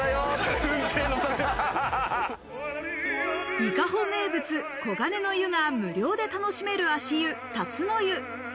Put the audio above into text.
伊香保名物・黄金の湯が無料で楽しめる足湯・辰の湯。